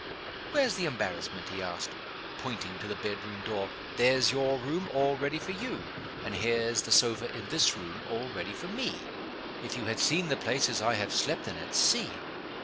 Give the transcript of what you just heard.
"Where's the embarrassment?" he asked, pointing to the bedroom door. "There's your room, all ready for you. And here's the sofa, in this room, all ready for me. If you had seen the places I have slept in at sea